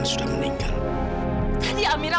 sudah meninggal tadi amira